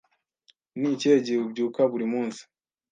Ni ikihe gihe ubyuka buri munsi?